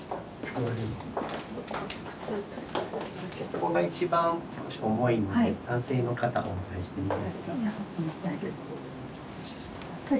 ここが一番少し重いので男性の方お願いしていいですか？